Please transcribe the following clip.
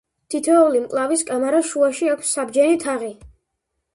თითოეული მკლავის კამარას შუაში აქვს საბჯენი თაღი.